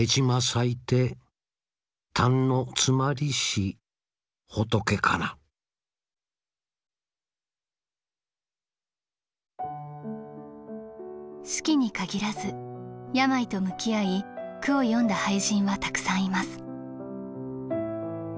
子規に限らず病と向き合い句を詠んだ俳人はたくさんいます。